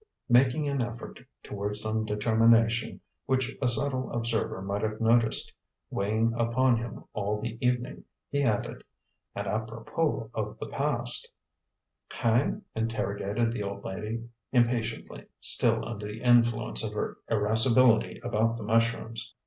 Making an effort toward some determination which a subtle observer might have noticed weighing upon him all the evening, he added: "And, apropos of the past " "Hein?" interrogated the old lady, impatiently, still under the influence of her irascibility about the mushrooms.